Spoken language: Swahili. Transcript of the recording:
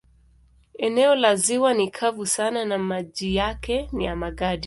Eneo la ziwa ni kavu sana na maji yake ni ya magadi.